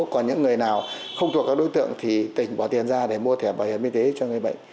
còn những người nào không thuộc các đối tượng thì tỉnh bỏ tiền ra để mua thẻ bảo hiểm y tế cho người bệnh